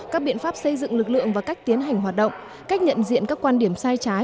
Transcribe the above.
các biện pháp xây dựng lực lượng và cách tiến hành hoạt động cách nhận diện các quan điểm sai trái